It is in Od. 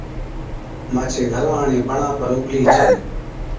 مانڇي گھران هاڙي بڻا پر اُڀلِي ڇَي